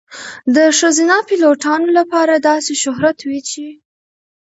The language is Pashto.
د ښځینه پیلوټانو لپاره داسې شهرت وي چې .